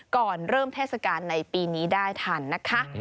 ก่อนเริ่มเทศกาลในปีนี้ได้ทันนะคะ